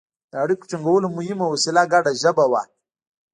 د اړیکو ټینګولو مهمه وسیله ګډه ژبه وه